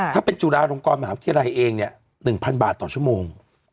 ถ้าเป็นจุฬาลงกรมหาวิทยาลัยเองเนี่ย๑๐๐บาทต่อชั่วโมง